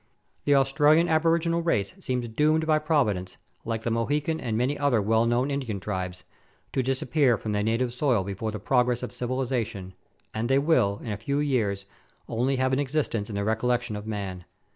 The Australian aboriginal race seem doomed by Providence, like the Mohican and many other well known Indian tribes, to disappear from their native soil before the progress of civilization, and they will, in a few years, only have an existence in the recol lection of man.